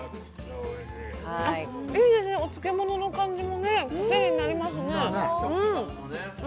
いいですね、お漬物の感じもクセになりますね。